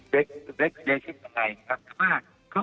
โปรดติดตามต่อไป